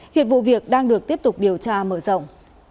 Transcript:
hiện vụ việc đang được tiếp tục điều tra mở rộng